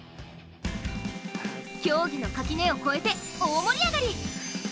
競技の垣根を越えて大盛り上がり。